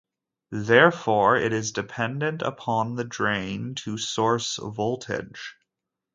Therefore, it is dependent upon the drain to source voltage.